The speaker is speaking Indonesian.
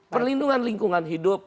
perlindungan lingkungan hidup